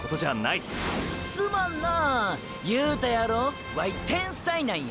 すまんなァ言うたやろワイ天才なんや。